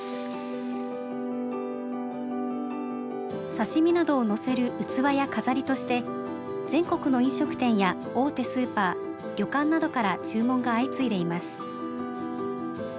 刺身などをのせる器や飾りとして全国の飲食店や大手スーパー旅館などから注文が相次いでいます。